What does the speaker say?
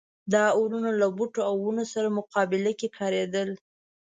دا اورونه له بوټو او ونو سره مقابله کې کارېدل.